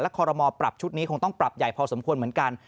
คอรมอลปรับชุดนี้คงต้องปรับใหญ่พอสมควรเหมือนกัน